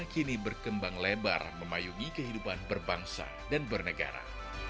kini berkembang lebar memayungi kehidupan berbangsa dan bernegara